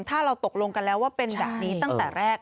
ถ้าเราตกลงกันแล้วว่าเป็นแบบนี้ตั้งแต่แรก